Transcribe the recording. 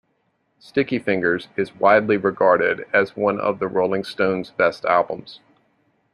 "Sticky Fingers" is widely regarded as one of the Rolling Stones' best albums.